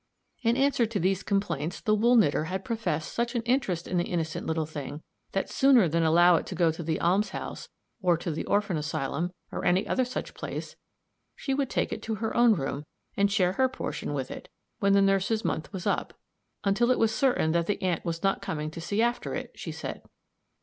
In answer to these complaints, the wool knitter had professed such an interest in the innocent little thing, that, sooner than allow it to go to the alms house, or to the orphan asylum, or any other such place, she would take it to her own room, and share her portion with it, when the nurse's month was up, until it was certain that the aunt was not coming to see after it, she said.